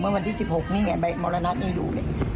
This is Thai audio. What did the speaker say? เวลาวันที่๑๖นี่เมาลานัทอยู่เลย